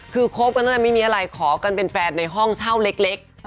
คือคบกันตั้งแต่ไม่มีอะไรขอกันเป็นแฟนในห้องเช่าเล็ก